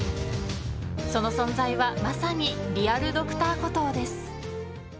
その存在は、まさにリアルＤｒ．コトーです。